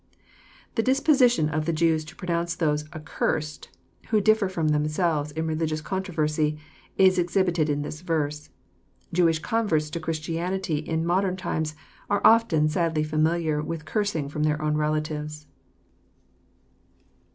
The disposition of the Jews to pronounce those '' accursed " who dilTer from themselves in religious controversy is exhib ited in this verse. Jewish converts to Christianity in modern times are often sadly familiar with cursing from their own relatives.